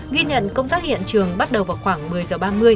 ghi nhận công tác hiện trường bắt đầu vào khoảng một mươi h ba mươi